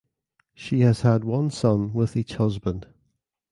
She has had one son with each husband.